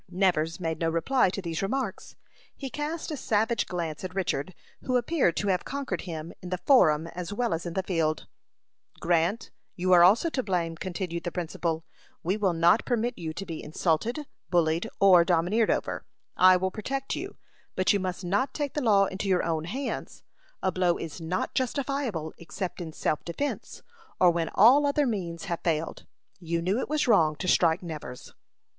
Nevers made no reply to these remarks. He cast a savage glance at Richard, who appeared to have conquered him in the forum as well as in the field. "Grant, you are also to blame," continued the principal. "We will not permit you to be insulted, bullied, or domineered over. I will protect you, but you must not take the law into your own hands. A blow is not justifiable except in self defence, or when all other means have failed. You knew it was wrong to strike Nevers."